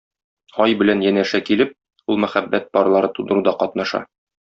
Ай белән янәшә килеп, ул мәхәббәт парлары тудыруда катнаша